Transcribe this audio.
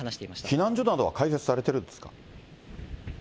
避難所などは開設されているんですか？